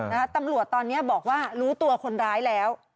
ตำรวจตอนนี้บอกว่ารู้ตัวคนร้ายแล้ว